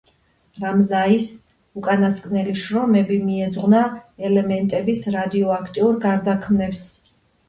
რამზაის უკანასკნელი შრომები მიეძღვნა ელემენტების რადიოაქტიურ გარდაქმნებს.